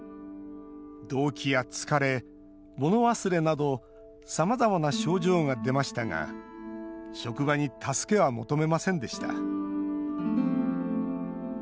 動悸や疲れ、物忘れなどさまざまな症状が出ましたが職場に助けは求めませんでした。